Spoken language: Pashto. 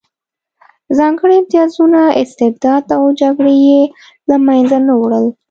ځانګړي امتیازونه، استبداد او جګړې یې له منځه نه وړل